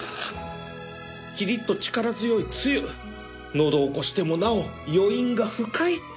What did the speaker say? キリッと力強いつゆ喉を越してもなお余韻が深い